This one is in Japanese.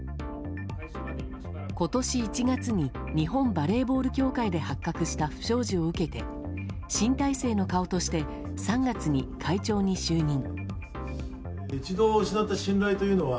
今年１月に日本バレーボール協会で発覚した不祥事を受けて新体制の顔として３月に会長に就任。